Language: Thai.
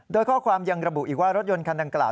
โดยข้อความยังระบุอีกว่ารถยนต์คันดังกล่า